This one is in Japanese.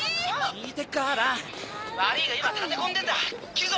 聞いてっか蘭悪ぃが今立て込んでんだ切るぞ！